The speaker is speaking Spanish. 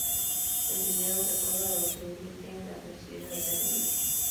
El dinero recaudado se invierte en las necesidades de la iglesia.